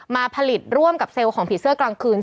มาผลิตร่วมกับเซลล์ของผีเสื้อกลางคืน